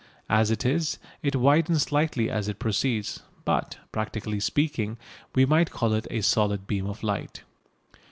As it is, it widens slightly as it proceeds, but, practically speaking, we might call it a solid beam of light.